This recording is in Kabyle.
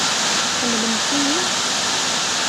Tḥemmlemt-iyi?